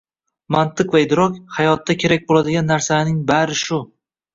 Mantiq va idrok – hayotda kerak bo‘ladigan narsalarning bari shu.